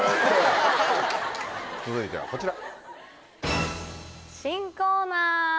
続いてはこちら。